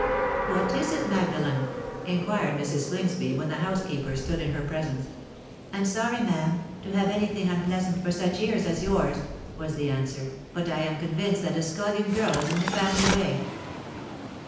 "What is it, Magdalen?" inquired Mrs. Slingsby, when the housekeeper stood in her presence. "I'm sorry, ma'am, to have any thing unpleasant for such ears as yours," was the answer; "but I am convinced that scullion girl is in the family way."